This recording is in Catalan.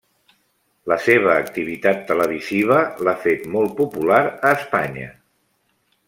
La seva activitat televisiva l'ha fet molt popular a Espanya.